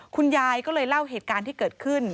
คุณยายก็เลยเล่าเหตุการณ์ที่เกิดขึ้น